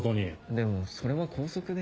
でもそれは校則で。